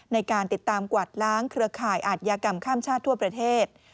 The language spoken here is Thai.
ในการติดตามกวาดล้างเครือข่ายอาทยากรรมข้ามชาติทั่วประเทศ